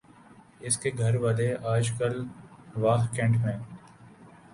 اس کے گھر والے آجکل واہ کینٹ میں